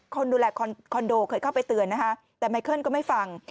คนดูแลคอนโดเคยเข้าไปเตือนนะคะแต่ไมเคิลก็ไม่ฟัง